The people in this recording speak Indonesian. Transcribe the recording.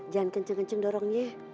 jangan kenceng kenceng dorongnya